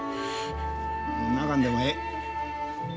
泣かんでもええ。